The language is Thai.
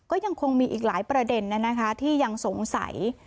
ก็ยังคงมีอีกหลายประเด็นที่ยังสงสัย